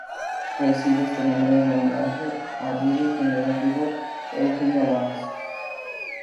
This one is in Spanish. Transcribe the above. Recibe este nombre en homenaje al Brigadier General Diego Eugenio Lamas.